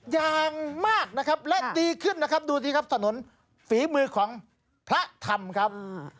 อย่างมากนะครับและดีขึ้นนะครับดูสิครับถนนฝีมือของพระธรรมครับ